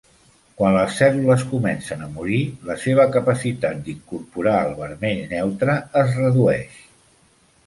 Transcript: Quan les cèl·lules comencen a morir, la seva capacitat d'incorporar el vermell neutre es redueix.